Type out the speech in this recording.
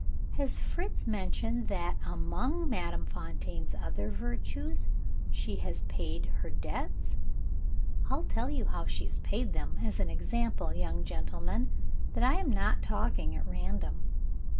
Has Fritz mentioned that among Madame Fontaine's other virtues, she has paid her debts? I'll tell you how she has paid them as an example, young gentleman, that I am not talking at random.